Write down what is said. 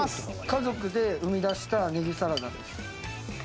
家族で生み出したネギサラダです。